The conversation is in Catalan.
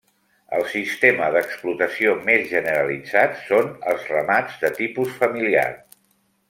El sistema d'explotació més generalitzat són els ramats de tipus familiar.